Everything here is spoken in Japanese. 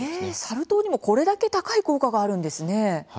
サル痘にもこれだけ高い効果があるんですね。